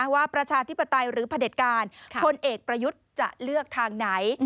ประชาธิปไตยหรือพระเด็จการพลเอกประยุทธ์จะเลือกทางไหน